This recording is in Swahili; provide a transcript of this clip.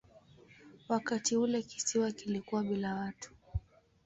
Wakati ule kisiwa kilikuwa bila watu.